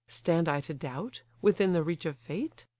Stand I to doubt, within the reach of fate?